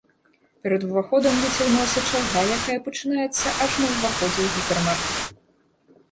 Перад уваходам выцягнулася чарга, якая пачынаецца аж на ўваходзе ў гіпермаркет.